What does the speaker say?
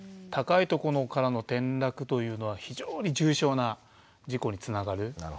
高い所からの転落というのは非常に重傷な事故につながる。